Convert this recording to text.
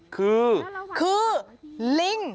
คือคือลิง